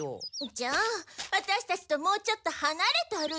じゃあワタシたちともうちょっとはなれて歩いて！